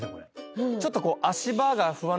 ちょっと。